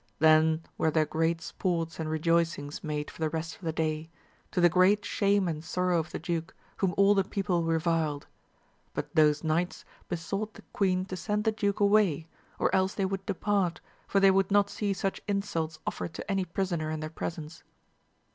Then were there great sports and re joicings made for the rest of the day, to the great shame and sorrow of the duke, whom all the people reviled ; but those knights besought the queen to send the duke away, or else they would depart, for they would not see such insults offered to any prisoner in their pre sence.